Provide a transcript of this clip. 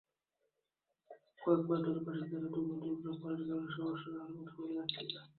কয়েক মাস ধরে বাসিন্দারা দুর্গন্ধযুক্ত পানির কারণে সমস্যা হওয়ার কথা বলে আসছিলেন।